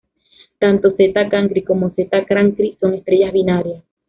Tanto Zeta Cancri como Zeta Cancri son estrellas binarias.